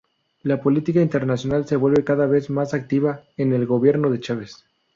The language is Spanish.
La política internacional se vuelve cada vez más activa en el gobierno de Chávez.